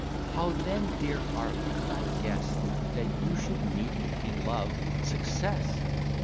How then, dear Harley, could I guess That you should meet, in love, success?